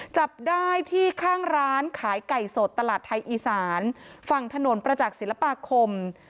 จับได้ที่ข้างร้านขายไก่สดตลาดไทยอีสานฝั่งถนนประจักษ์ศิลปาคม